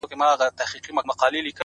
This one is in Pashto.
شېرینو نور له لسټوڼي نه مار باسه _